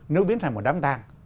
nếu biến thành một đám tàng